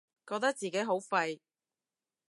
覺得自己好廢